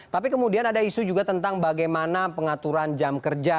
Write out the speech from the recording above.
tapi kemudian ada isu juga tentang bagaimana pengaturan jam kerja